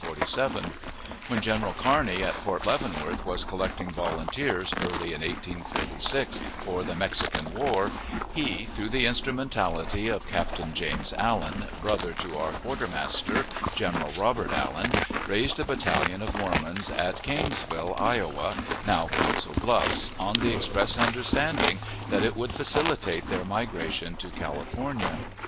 When General Kearney, at Fort Leavenworth, was collecting volunteers early in 1846, for the Mexican War, he, through the instrumentality of Captain James Allen, brother to our quartermaster, General Robert Allen, raised the battalion of Mormons at Kanesville, Iowa, now Council Bluffs, on the express understanding that it would facilitate their migration to California.